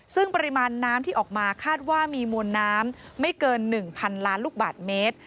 ซึ่งปริมาณน้ำที่ออกมาคาดว่ามีมวลน้ำไม่เกิน๑๐๐๐ล้านลูกบาทเมตร